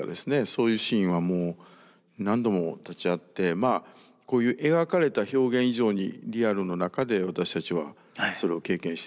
そういうシーンはもう何度も立ち会ってまあこういう描かれた表現以上にリアルの中で私たちはそれを経験しています。